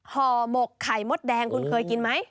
ห่อหมกไข่มดแดงคุณเคยกินไหม